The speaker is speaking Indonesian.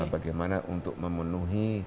bagaimana untuk memenuhi